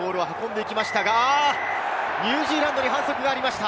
ニュージーランドに反則がありました。